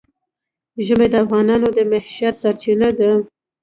ژمی د افغانانو د معیشت سرچینه ده.